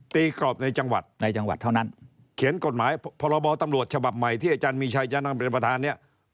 ตีกรอบในจังหวัดเขียนกฎหมายพรบตำรวจฉบับใหม่ที่อาจารย์มีชัยจะนำเป็นประธานเนี่ย